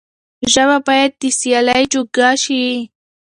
ژبه بايد د سيالۍ جوګه شي.